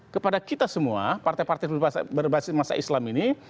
kepada kita semua partai partai berbasis masa islam ini